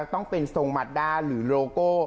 ต้องเป็นทรงมัดด้าหรือโลโก้